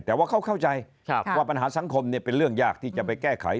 แต่ว่าเขาเข้าใจว่าปัญหาสังคมเป็นเรื่องยากที่จะไปแก้ไข